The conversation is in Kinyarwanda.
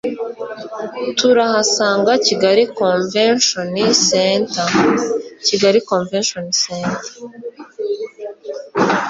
turahasanga Kigali Komveshoni (Kigali Convention Center)